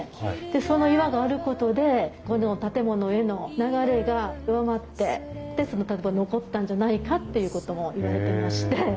でその岩があることでこの建物への流れが弱まってで残ったんじゃないかっていうこともいわれてまして。